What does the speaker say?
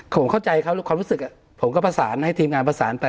ผมเข้าใจเขาความรู้สึกผมก็ประสานให้ทีมงานประสานไป